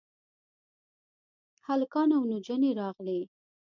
هلکان او نجونې راغلې.